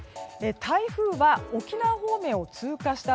台風は沖縄方面を通過した